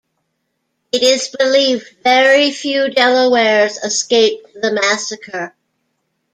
It is believed very few Delawares escaped the massacre.